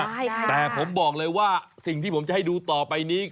ใช่แต่ผมบอกเลยว่าสิ่งที่ผมจะให้ดูต่อไปนี้